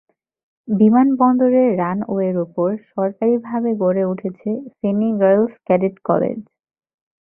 বিমানবন্দরের রানওয়ের ওপর সরকারিভাবে গড়ে উঠেছে ফেনী গার্লস ক্যাডেট কলেজ।